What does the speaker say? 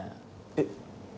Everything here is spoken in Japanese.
えっ。